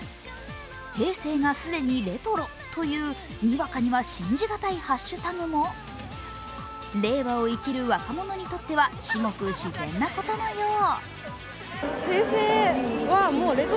平成が既にレトロというにわかには信じ難いハッシュタグも令和を生きる若者にとっては至極自然なことのよう。